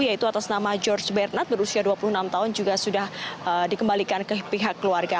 yaitu atas nama george bernard berusia dua puluh enam tahun juga sudah dikembalikan ke pihak keluarga